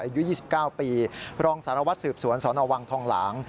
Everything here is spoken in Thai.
อายุ๒๙ปีรองสารวัตรสืบสวนสนวังทองหลาง